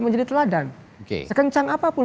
menjadi teladan sekencang apapun